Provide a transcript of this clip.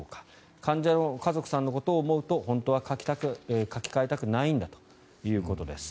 患者の家族さんのことを思うと本当は書き換えたくないんだということです。